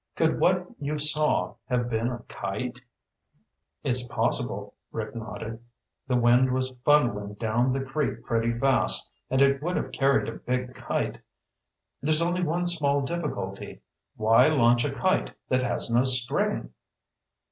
Could what you saw have been a kite?" "It's possible." Rick nodded. "The wind was funneling down the creek pretty fast, and it would have carried a big kite. There's only one small difficulty. Why launch a kite that has no string?"